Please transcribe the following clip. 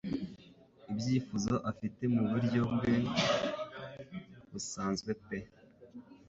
Ibyifuzo afite muburyo bwe busanzwe pe